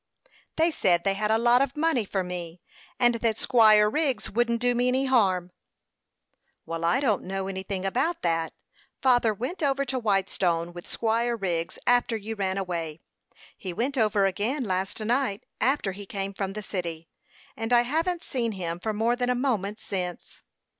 "They said they had a lot of money for me, and that Squire Wriggs wouldn't do me any harm." "Well, I don't know anything about that. Father went over to Whitestone with Squire Wriggs, after you ran away. He went over again last night, after he came from the city, and I haven't seen him for more than a moment since."